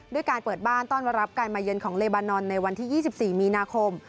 ด้วยการเปิดบ้านต้อนรับการมาเยือนของเลบานอนในวันที่๒๔มีนาคม